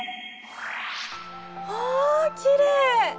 わきれい！